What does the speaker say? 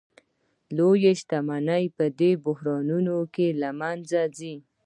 لویې شتمنۍ په دې بحرانونو کې له منځه ځي